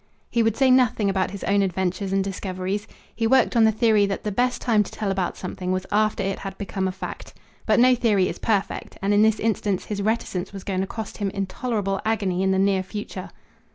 He would say nothing about his own adventures and discoveries. He worked on the theory that the best time to tell about something was after it had become a fact. But no theory is perfect; and in this instance his reticence was going to cost him intolerable agony in the near future.